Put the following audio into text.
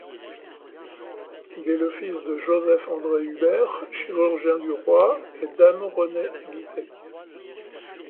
Il est le fils de Joseph-André Hubert, chirurgien du roi, et d'Anne-Renée Guittet.